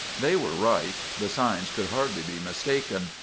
"They were right; the signs could hardly be mistaken.